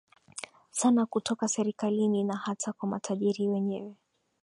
sana kutoka serikalini na hata kwa matajiri wenyewe